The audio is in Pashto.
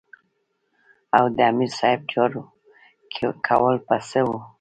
او د امیر صېب جارو کول به څۀ وو ـ